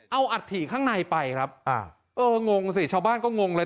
เอาอัฐิข้างในไปครับอ่าเอองงสิชาวบ้านก็งงเลย